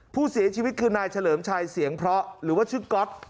ผู้เสียชีวิตคือนายเฉลิมชัยเสียงเพราะหรือว่าชื่อก๊อต